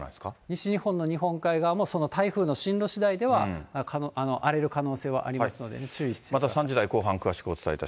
西日本の日本海側もその台風の進路しだいでは、荒れる可能性はありますのでね、注意してください。